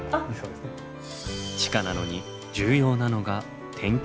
地下なのに重要なのが天気予報。